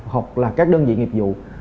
hoặc là các đơn vị nghiệp vụ